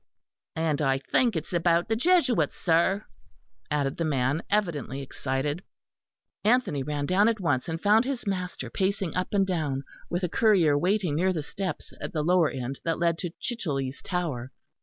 "And I think it is about the Jesuits, sir," added the man, evidently excited. Anthony ran down at once and found his master pacing up and down, with a courier waiting near the steps at the lower end that led to Chichele's tower.